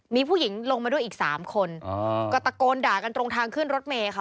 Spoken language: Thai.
มีผู้หญิงลงมาด้วยอีกสามคนก็ตะโกนด่ากันตรงทางขึ้นรถเมย์ค่ะ